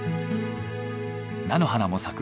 菜の花も咲く